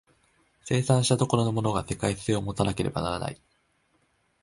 生産した所のものが世界性を有たなければならない。